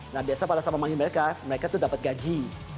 nah biasa pada saat memanggil mereka mereka tuh dapat gaji